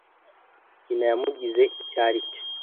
Nyina yamugize icyo aricyo.